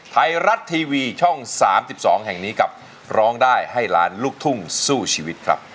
ไทยรัฐทีวีช่อง๓๒แห่งนี้กับร้องได้ให้ล้านลูกทุ่งสู้ชีวิตครับ